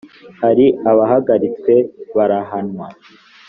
hari abahagaritswe barahanwa